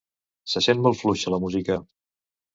Se sent molt fluixa la música.